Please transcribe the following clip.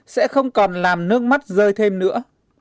sẽ không còn làm nước mắt rơi thêm nữa